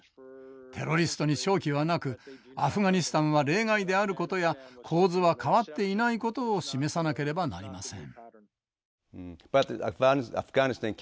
テロリストに勝機はなくアフガニスタンは例外であることや構図は変わっていないことを示さなければなりません。